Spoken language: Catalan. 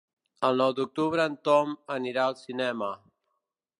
El nou d'octubre en Tom anirà al cinema.